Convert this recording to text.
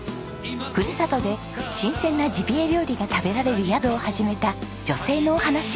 ふるさとで新鮮なジビエ料理が食べられる宿を始めた女性のお話。